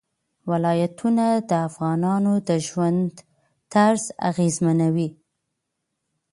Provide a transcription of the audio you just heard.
ولایتونه د افغانانو د ژوند طرز اغېزمنوي.